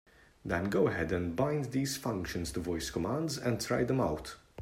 Then go ahead and bind these functions to voice commands and try them out.